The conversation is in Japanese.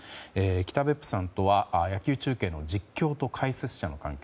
北別府さんとは野球中継の実況と解説者の関係。